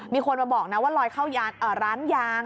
มีคนมาบอกนะว่าลอยเข้าร้านยาง